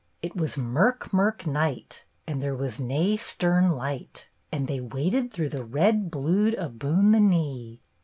It was mirk mirk night, and there was nae stern light. And they waded through red blude aboon the knee.